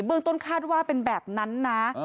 เมืองต้นคาดว่าเป็นแบบนั้นนะ